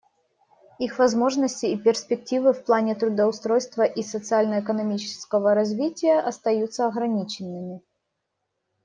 Их возможности и перспективы в плане трудоустройства и социально-экономического развития остаются ограниченными.